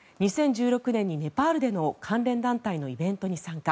２０１６年にネパールでの関連団体のイベントに参加。